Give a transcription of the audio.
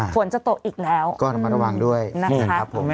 ฝนจะตกอีกแล้วก็ระมัดระวังด้วยนะครับผม